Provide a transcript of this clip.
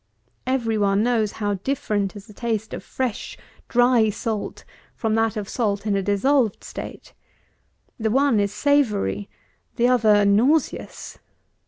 Every one knows how different is the taste of fresh, dry salt, from that of salt in a dissolved state. The one is savoury, the other nauseous.